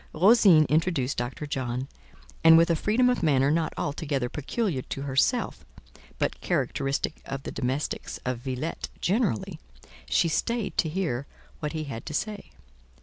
Rosine introduced Dr. John, and, with a freedom of manner not altogether peculiar to herself, but characteristic of the domestics of Villette generally, she stayed to hear what he had to say.